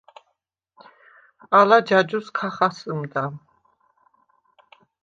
ალა ჯაჯუს ქა ხასჷმდა.